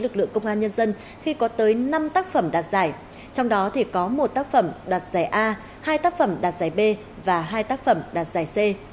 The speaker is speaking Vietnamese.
lực lượng công an nhân dân khi có tới năm tác phẩm đạt giải trong đó thì có một tác phẩm đoạt giải a hai tác phẩm đạt giải b và hai tác phẩm đạt giải c